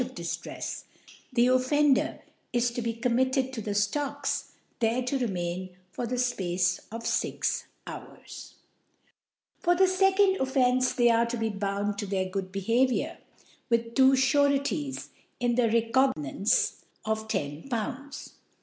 88. * of ( 22 )* of Diftrefs, the Offender is to be com * mitted to the Stocks, there to remain for * the Space of fix Hours *.* For the fecond Offence they are to be bound to their good' Behaviour, with two Sureties, in a Recognizance of Ten Pounds j*.